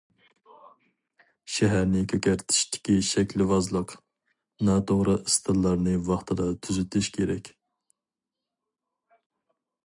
شەھەرنى كۆكەرتىشتىكى شەكىلۋازلىق، ناتوغرا ئىستىللارنى ۋاقتىدا تۈزىتىش كېرەك.